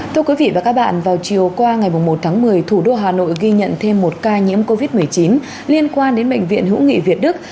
thưa quý vị và các bạn vào chiều qua ngày một tháng một mươi thủ đô hà nội ghi nhận thêm một ca nhiễm covid một mươi chín liên quan đến bệnh viện hữu nghị việt đức